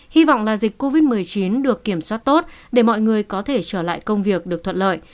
hy vọng là dịch covid một mươi chín được kiểm soát tốt để mọi người có thể trở lại công việc được thuận lợi